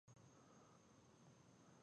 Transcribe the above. د غزني په اب بند کې د اوسپنې نښې شته.